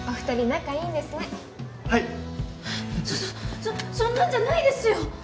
そそんなんじゃないですよ！